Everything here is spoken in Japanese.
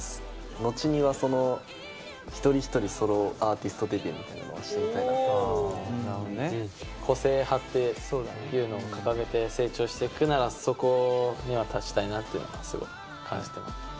後には一人一人ソロアーティストデビューみたいなのはしてみ個性派っていうのを掲げて成長していくなら、そこには達したいなというのはすごい感じてます。